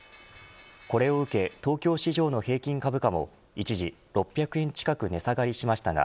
これを受け東京市場の平均株価も一時６００円近く値下がりしましたが